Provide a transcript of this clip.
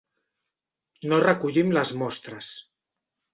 No recollim les mostres.